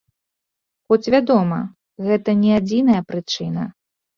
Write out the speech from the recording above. Хоць, вядома, гэта не адзіная прычына.